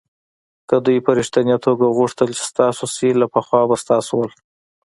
که دوی په ریښتني توگه غوښتل چې ستاسو شي له پخوا به ستاسو ول.